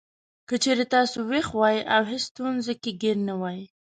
که چېرې تاسو وېښ وئ او هېڅ ستونزو کې ګېر نه وئ.